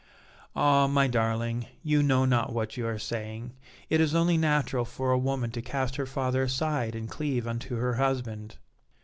"Ah! my darling, you know not what you are saying; it is only natural for a woman to cast her father aside and cleave unto her husband."